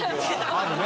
あるね。